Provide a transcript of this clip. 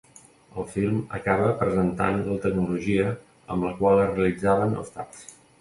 El film acaba presentant la tecnologia amb la qual es realitzaven els taps.